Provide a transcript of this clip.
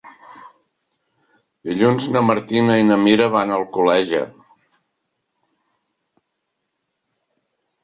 Dilluns na Martina i na Mira van a Alcoleja.